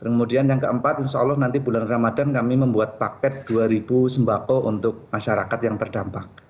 kemudian yang keempat insya allah nanti bulan ramadhan kami membuat paket dua ribu sembako untuk masyarakat yang terdampak